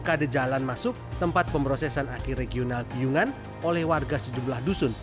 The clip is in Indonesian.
karena belum ada jalan masuk tempat pemrosesan aki regional piungan oleh warga sejumlah dusun